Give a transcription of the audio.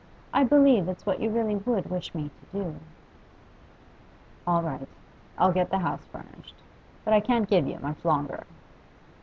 I believe it's what you really would wish me to do.' 'All right. I'll get the house furnished. But I can't give you much longer.